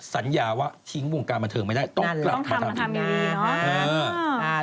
สัญญาว่าทิ้งวงการบันเทิงไม่ได้ต้องกลับมาทำงาน